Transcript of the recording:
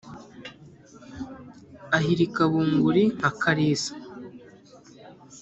Ahirika bunguri nka Kalisa